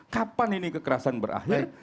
kapan ini kekerasan berakhir